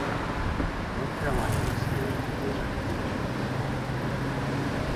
North Carolina experienced blizzard conditions.